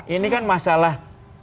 ini kan masalah